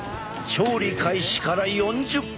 調理開始から４０分。